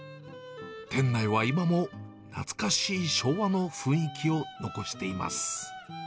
店内は今も懐かしい昭和の雰囲気を残しています。